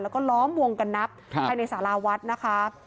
แล้วก็ล้อมวงกันนับภายในสาราวัดนะคะ